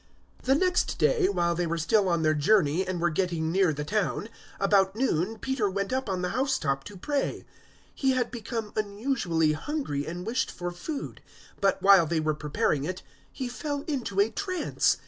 010:009 The next day, while they were still on their journey and were getting near the town, about noon Peter went up on the house top to pray. 010:010 He had become unusually hungry and wished for food; but, while they were preparing it, he fell into a trance.